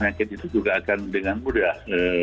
penyakit itu juga akan dengan mudah